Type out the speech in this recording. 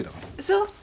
そう。